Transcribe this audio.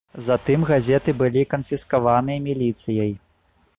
Затым газеты былі канфіскаваныя міліцыяй.